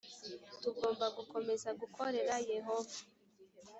tugomba gukomeza gukorera yehova